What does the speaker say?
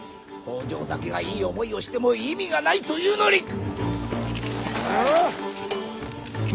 北条だけがいい思いをしても意味がないというのに！